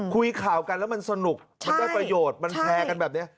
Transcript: คุยข่าวกันแล้วมันสนุกมันได้ประโยชน์มันแชร์กันแบบนี้